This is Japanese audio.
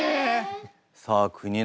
さあ国枝様